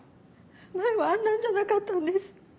前はあんなんじゃなかったんです。